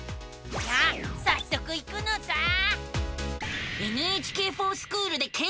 さあさっそく行くのさあ。